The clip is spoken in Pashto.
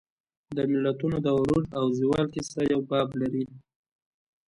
د ملتونو د عروج او زوال کیسه یو باب لري.